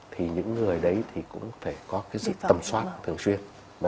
thì những người đấy thì cũng phải có tầm soát thường xuyên